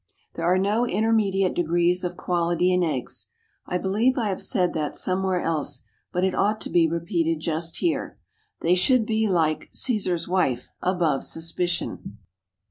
There are no intermediate degrees of quality in eggs. I believe I have said that somewhere else, but it ought to be repeated just here. They should be, like Cæsar's wife, above suspicion.